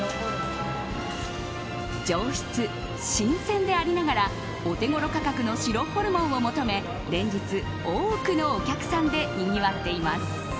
上質、新鮮でありながらお手ごろ価格の白ホルモンを求め連日多くのお客さんでにぎわっています。